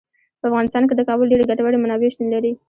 په افغانستان کې د کابل ډیرې ګټورې منابع شتون لري.